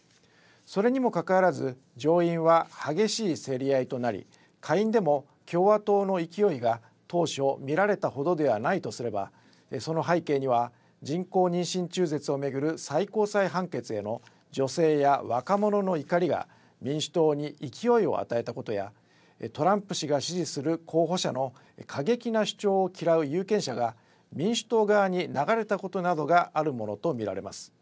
それにもかかわらず上院は激しい競り合いとなり下院でも共和党の勢いが当初見られたほどではないとすればその背景には人工妊娠中絶を巡る最高裁判決への女性や若者の怒りが民主党に勢いを与えたことやトランプ氏が支持する候補者の過激な主張を嫌う有権者が民主党側に流れたことなどがあるものと見られます。